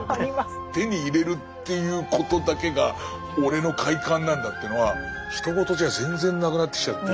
手に入れるっていうことだけが俺の快感なんだっていうのはひと事じゃ全然なくなってきちゃって。